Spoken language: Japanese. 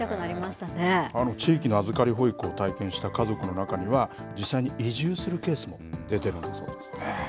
地域の預かり保育を体験した家族の中には、実際に移住するケースも出てるんだそうですね。